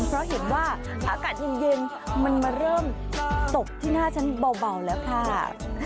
เพราะเห็นว่าอากาศเย็นมันมาเริ่มตกที่หน้าฉันเบาแล้วค่ะ